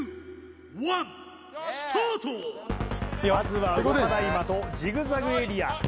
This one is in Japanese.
まずは動かない的ジグザグエリア